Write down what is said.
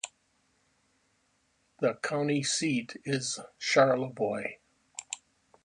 The county seat is Charlevoix.